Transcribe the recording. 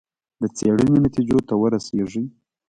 د څېړنې نتیجو ته ورسېږي.